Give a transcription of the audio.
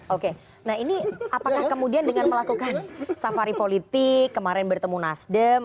oke nah ini apakah kemudian dengan melakukan safari politik kemarin bertemu nasdem